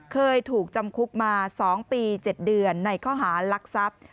เคยถูกจำคุกมา๒ปี๗เดือนในข้อหารักทรัพย์